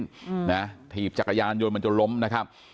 อืมนะถีบจักรยานยนต์มันจนล้มนะครับ